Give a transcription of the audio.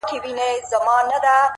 د ستن او تار خبري ډيري شې دي ـ